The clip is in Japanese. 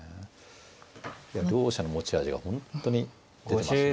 いや両者の持ち味が本当に出てますね。